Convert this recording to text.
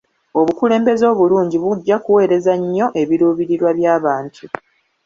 Obukulembeze obulungi bujja kuweereza bulungi nnyo ebiruubirirwa by'abantu.